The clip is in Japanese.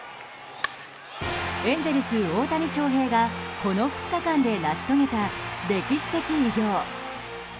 エンゼルス、大谷翔平がこの２日間で成し遂げた歴史的偉業。